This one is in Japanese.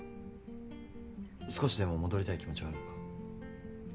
少しでも戻りたい気持ちはあるのか？